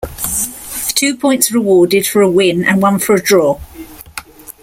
Two points are awarded for a win and one for a draw.